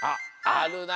あるな。